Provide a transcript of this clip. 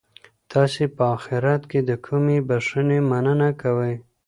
تاسي په اخیرت کي د کومې بښنې مننه کوئ؟